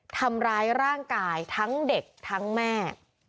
ทำร้ายร่างกายทั้งเด็กทั้งแม่